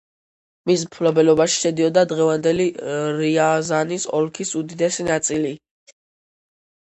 მის მფლობელობაში შედიოდა დღევანდელი რიაზანის ოლქის უდიდესი ნაწილი.